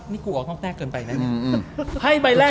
นี่กูออกนอกแน่เกินไปนะ